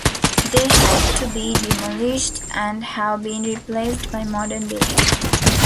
They had to be demolished, and have been replaced by modern buildings.